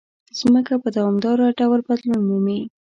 مځکه په دوامداره ډول بدلون مومي.